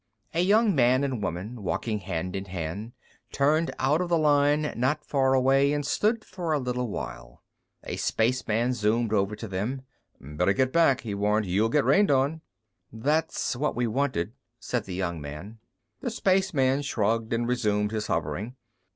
A young man and woman, walking hand in hand, turned out of the line not far away and stood for a little while. A spaceman zoomed over to them. "Better get back," he warned. "You'll get rained on." "That's what we wanted," said the young man. The spaceman shrugged and resumed his hovering.